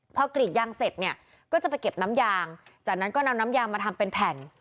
พอกรีดยางเสร็จเนี่ยก็จะไปเก็บน้ำยางจากนั้นก็นำน้ำยางมาทำเป็นแผ่น